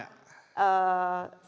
dan itu juga